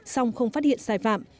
xong không phát hiện sai phạm